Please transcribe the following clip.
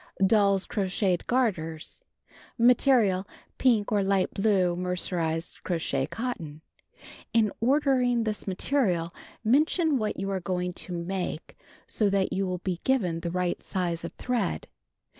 DOLL'S CROCHETED GARTERS (See picture opposite page 40) Material: Pink or light blue mercerized crochet cotton. (In ordering this material, mention what you are going to make, so that you will be given the right size of thread.)